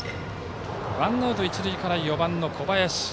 ワンアウト一塁から４番の小林。